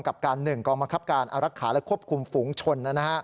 กบังคับการอรักษาและควบคุมฝูงชน